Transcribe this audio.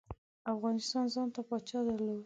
افغانستان ځانته پاچا درلود.